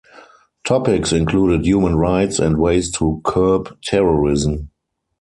Topics included human rights and ways to curb terrorism.